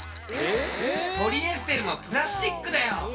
ポリエステルもプラスチックだよ！